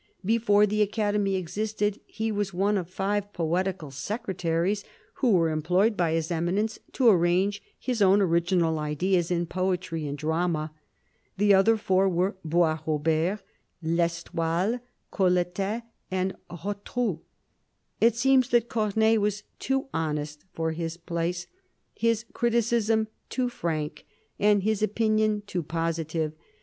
Before the Academy existed he was one of five poetical secretaries who were employed by His Eminence to arrange his own original ideas in poetry and drama. The other four were Boisrobert, I'Estoile, Colletet, and Rotrou. It seems that Corneille was too honest for his place; his criticism too frank and his opinion too positive.